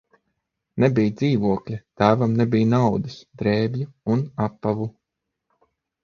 Nebija dzīvokļa, tēvam nebija naudas, drēbju un apavu.